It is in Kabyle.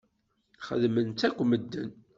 Xedmen-tt akk medden.